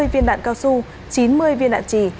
hai mươi viên đạn cao su chín mươi viên đạn trì